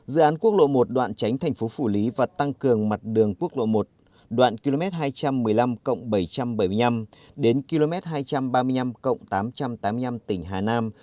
dự án quốc lộ một đoạn tránh thành phố phủ lý và tăng cường mặt đường quốc lộ một đoạn km hai trăm một mươi năm bảy trăm bảy mươi năm đến km hai trăm ba mươi năm tám trăm tám mươi năm tỉnh hà nam